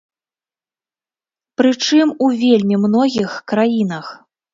Прычым у вельмі многіх краінах.